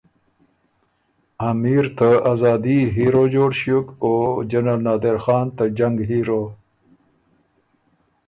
امیر ته آزادی هیرو جوړ ݭیوک او جنرل نادرخان ته جنګ هیرو۔